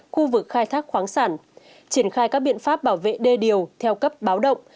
khu vực khai thác khoáng sản triển khai các biện pháp bảo vệ đê điều theo cấp báo động